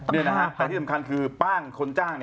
มีนะฮะแต่ที่สำคัญคือปางคนจ้างเนี่ย